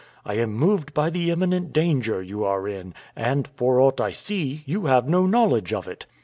I am moved by the imminent danger you are in, and, for aught I see, you have no knowledge of it."